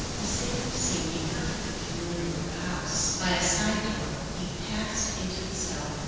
The sailor seemed perfectly familiar with the house. By a side door he passed into the cellar.